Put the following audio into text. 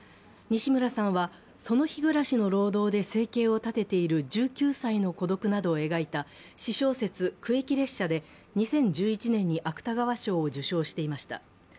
西村さんは、その日暮らしの労働で生計を立てている１９歳の孤独などを描いた私小説「苦役列車」で２０１１年に芥川賞を受賞していました。